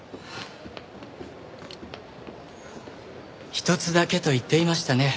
一つだけと言っていましたね。